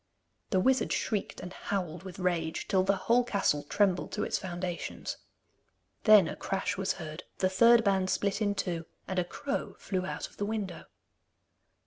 The wizard shrieked and howled with rage, till the whole castle trembled to its foundations. Then a crash was heard, the third band split in two, and a crow flew out of the window.